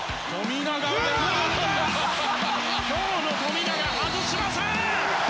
今日の富永、外しません！